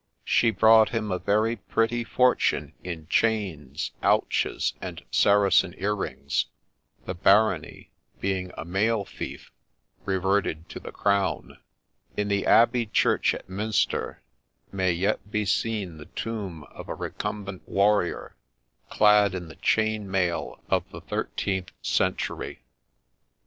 She brought him a very pretty fortune in chains, owches, and Saracen earrings ; the barony, being a male fief, reverted to the Crown. In the abbey church at Minster may yet be seen the tomb of a recumbent warrior, clad in the chain mail of the thirteenth century *.